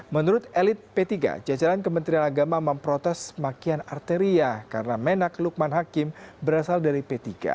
menurut elit p tiga jajaran kementerian agama memprotes makian arteria karena menak lukman hakim berasal dari p tiga